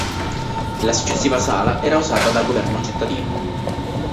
La successiva sala era usata dal governo cittadino.